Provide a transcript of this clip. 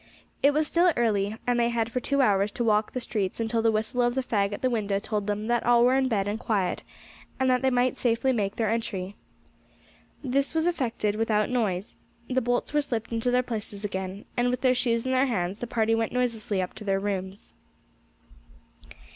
It was still early, and they had for two hours to walk the streets until the whistle of the fag at the window told them that all were in bed and quiet, and they might safely make their entry. This was effected without noise; the bolts were slipped into their places again, and with their shoes in their hands, the party went noiselessly up to their rooms.